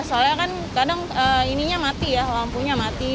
soalnya kan kadang ininya mati ya lampunya mati